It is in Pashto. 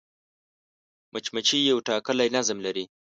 مچمچۍ یو ټاکلی نظم لري